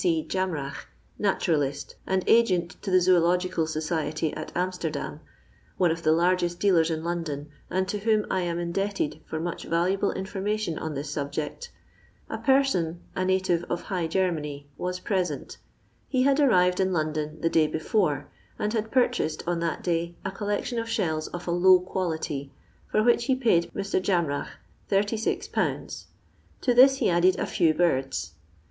C. Jamrach, naturalist, and agent to the Zoological Society at Amsterdam — one of the largest dealers in London, and to whom I am indebted for much valuable information on this subject — a person, a native of High Germany, was present He had arrived in Lon don the day before, and had purchased on that day a collection of shells of a low quality for which he paid Mr. Jamrach 86/. ; to this he added a few birds.